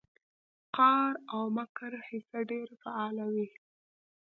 د قار او مکر حصه ډېره فعاله وي